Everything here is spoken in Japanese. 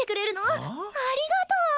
ありがとう！